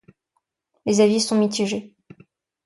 Les avis sont mitigés.